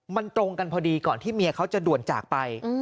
มันตรงกันพอดีก่อนที่เมียเขาจะด่วนจากไป